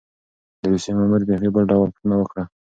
د روسيې مامور بېخي بل ډول پوښتنه وکړه.